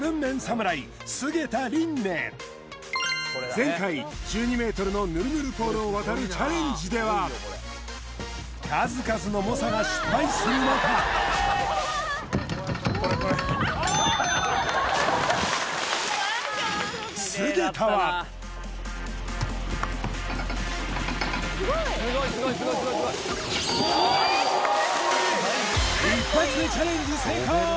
前回１２ｍのぬるぬるポールを渡るチャレンジでは数々の猛者が失敗する中一発でチャレンジ成功！